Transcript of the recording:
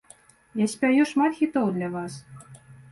Я спяю шмат хітоў для вас.